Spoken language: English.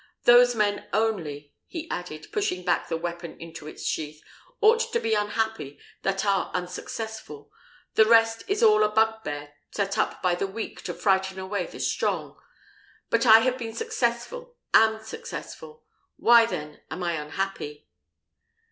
Those men only," he added, pushing back the weapon into its sheath, "ought to be unhappy that are unsuccessful; the rest is all a bugbear set up by the weak to frighten away the strong. But I have been successful, am successful. Why then am I unhappy?"